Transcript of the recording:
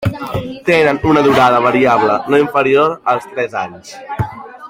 Tenen una durada variable, no inferior als tres anys.